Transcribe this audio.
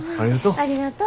ありがとう。